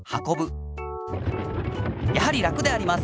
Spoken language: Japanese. やはり楽であります。